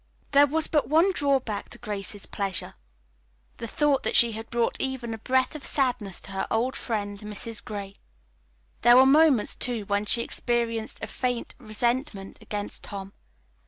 There was but one drawback to Grace's pleasure. The thought that she had brought even a breath of sadness to her old friend, Mrs. Gray. There were moments, too, when she experienced a faint resentment against Tom.